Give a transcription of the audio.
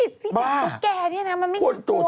พี่พี่แจ้วตุ๊กแก่นี่นะมันไม่กลัวเหรอ